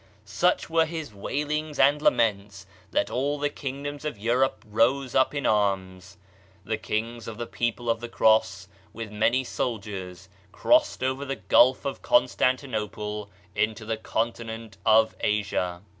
Such were his waitings and laments that all the kingdoms of Europe rose up in arms. The kings of the people of the Cross, with many sol diers, crossed over the Gulf of Constantinople into the continent of Asia.